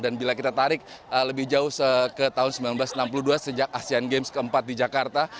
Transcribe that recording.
dan bila kita tarik lebih jauh ke tahun seribu sembilan ratus enam puluh dua sejak asean games ke empat di jakarta